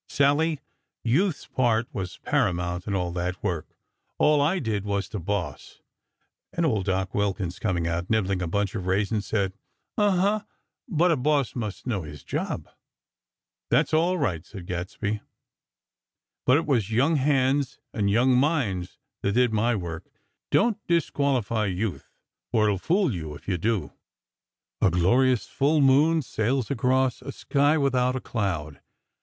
"Sally, Youth's part was paramount in all that work. All I did was to boss;" and Old Doc Wilkins, coming out, nibbling a bunch of raisins, said: "Uh huh; but a boss must know his job!" "That's all right," said Gadsby; "but it was young hands and young minds that did my work! Don't disqualify Youth for it will fool you, if you do!" A glorious full moon sails across a sky without a cloud.